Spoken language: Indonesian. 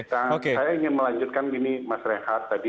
saya ingin melanjutkan gini mas rehat tadi